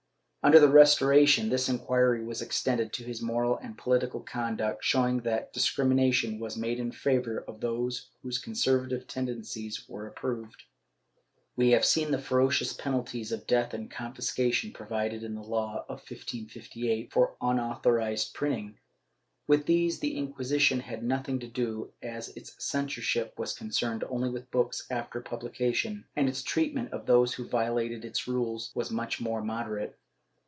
Under the Restoration this inquiry was extended to his moral and poUtical conduct, showing that discrimination was made in favor of those whose conservative tendencies were approved/ We have seen the ferocious penalties of death and confiscation provided in the law of 1558 for unauthorized printing. With these the Inquisition had nothing to do, as its censorship was concerned only with books after publication, and its treatment of those who violated its rules was much more moderate.